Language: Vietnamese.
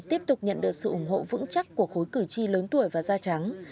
tiếp tục nhận được sự ủng hộ vững chắc của khối cử tri lớn tuổi và da trắng